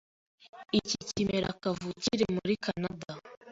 Iki kimera kavukire muri Kanada.